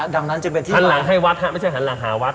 ดังนั้นจึงเป็นที่หันหลังให้วัดฮะไม่ใช่หันหลังหาวัด